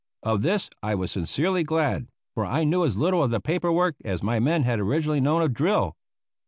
Of this I was sincerely glad, for I knew as little of the paper work as my men had originally known of drill.